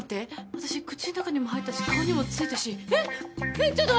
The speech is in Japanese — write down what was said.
私口ん中にも入ったし顔にもついたしえっえっ？